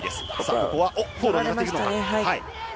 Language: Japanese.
ここはフォールを狙っていくのか。